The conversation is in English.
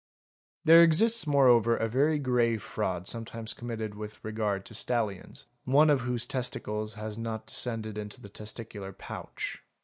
There exists moreover a very grave fraud sometimes committed with regard to stallions, one of whose testicles has not descended into the testicular pouch.